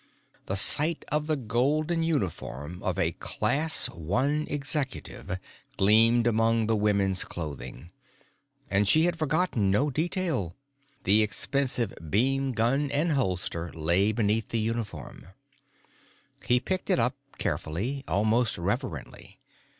The sight of the golden uniform of a Class One Executive gleamed among the women's clothing. And she had forgotten no detail; the expensive beamgun and holster lay beneath the uniform. He picked it up carefully, almost reverently.